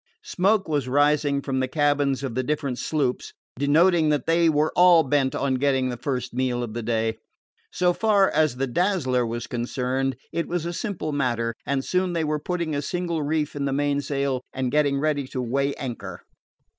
Smoke was rising from the cabins of the different sloops, denoting that they were all bent on getting the first meal of the day. So far as the Dazzler was concerned, it was a simple matter, and soon they were putting a single reef in the mainsail and getting ready to weigh anchor.